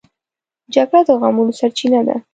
جګړه د غمونو سرچینه ده